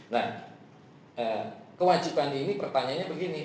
nah kewajiban ini pertanyaannya begini